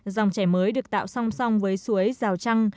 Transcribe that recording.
dòng chảy mới được tạo song song với suối rào trăng